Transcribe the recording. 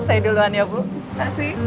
saya duluan ya bu makasih